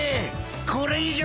これ以上。